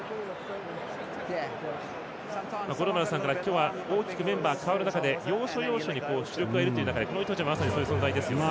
五郎丸さんからは今日は大きくメンバーが変わる中で要所要所に主力がいるという中でこのイトジェも、まさにそういう存在ですよね。